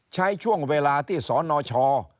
ใช้ช่วงเวลาที่สนช